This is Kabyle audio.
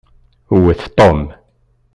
Wet Tom!